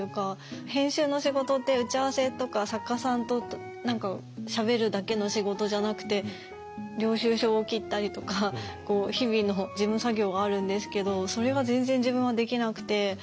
編集の仕事って打ち合わせとか作家さんと何かしゃべるだけの仕事じゃなくて領収書を切ったりとか日々の事務作業があるんですけどそれが全然自分はできなくて。